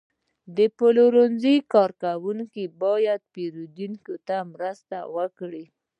د پلورنځي کارکوونکي باید پیرودونکو ته مرسته وکړي.